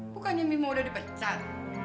bukannya mimo udah dipecat